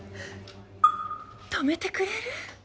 止めてくれる？